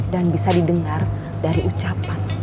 dan bisa didengar dari ucapan